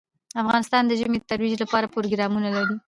افغانستان د ژمی د ترویج لپاره پروګرامونه لري.